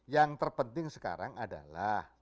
yang terpenting sekarang adalah